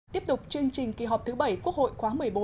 tiếp tục chương trình kỳ họp thứ bảy quốc hội khóa một mươi bốn